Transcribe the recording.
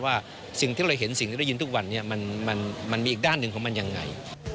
ว่าสิ่งที่เราเห็นสิ่งที่ได้ยินทุกวันนี้มันมีอีกด้านหนึ่งของมันยังไง